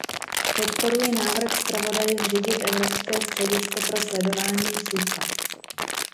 Podporuji návrh zpravodaje zřídit Evropské středisko pro sledování sucha.